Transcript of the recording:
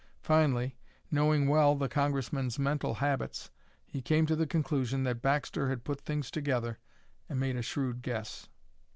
Finally, knowing well the Congressman's mental habits, he came to the conclusion that Baxter had put things together and made a shrewd guess.